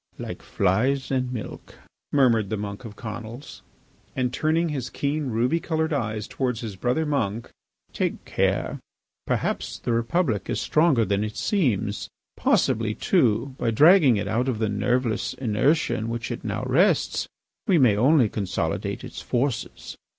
"Like flies in milk," murmured the monk of Conils. And turning his keen ruby coloured eyes towards his brother monk: "Take care. Perhaps the Republic is stronger than it seems. Possibly, too, by dragging it out of the nerveless inertia in which it now rests we may only consolidate its forces.